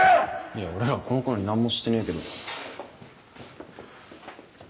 いや俺らこの子に何もしてねえけど。